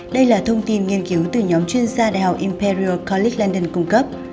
đây là thông tin nghiên cứu từ nhóm chuyên gia đh imperial college london cung cấp